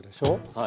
はい。